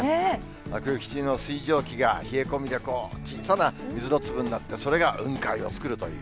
空気中の水蒸気が冷え込みで小さな水の粒になって、それが雲海を作るという。